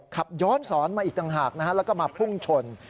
ขับย้อนสอนมาอีกต่างหากนะฮะแล้วก็มาพุ่งชน